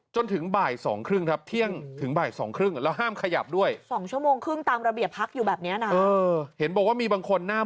จนถึงบ่าย๒๓๐ครับเที่ยงถึงบ่าย๒๓๐กว่า